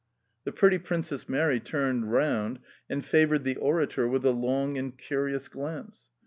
The pretty Princess Mary turned round and favoured the orator with a long and curious glance.